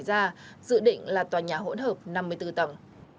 dự định là tòa nhà hỗn hợp năm mươi bốn tầng